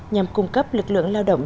nhằm cung cấp lực lượng lao động